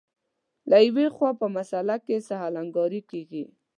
له یوې خوا په مسأله کې سهل انګاري کېږي.